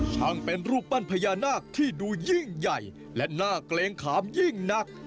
ช่างเป็นรูปปั้นพญานาคที่ดูยิ่งใหญ่และน่าเกรงขามยิ่งนัก